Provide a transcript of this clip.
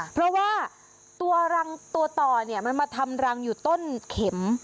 เพราะว่าตัวรังตัวต่อเนี่ยมันมาทำรังอยู่ต้นเข็ม